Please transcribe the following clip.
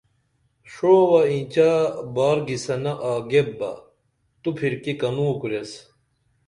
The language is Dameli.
ݜوہ اینچہ بار گِسنہ آگیبہ تو پِھرکی کنوکُریس